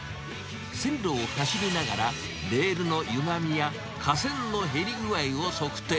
線路を走りながら、レールのゆがみや架線の減り具合を測定。